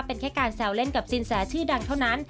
เป็นแค่การแซวเล่นกับสินแสชื่อดังเท่านั้น